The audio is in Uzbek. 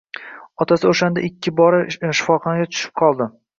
Otasi o`shanda birinchi bor shifoxonaga tushib qoldi